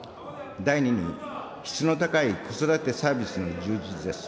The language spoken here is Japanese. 第２に、質の高い子育てサービスの充実です。